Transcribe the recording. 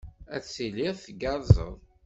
Ad tiliḍ tgerrzeḍ.